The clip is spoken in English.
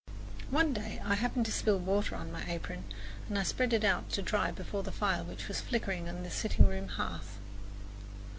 One day I happened to spill water on my apron, and I spread it out to dry before the fire which was flickering on the sitting room hearth.